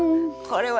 これは！